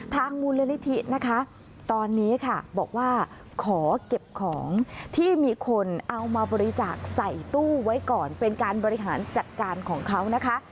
มูลนิธินะคะตอนนี้ค่ะบอกว่าขอเก็บของที่มีคนเอามาบริจาคใส่ตู้ไว้ก่อนเป็นการบริหารจัดการของเขานะคะ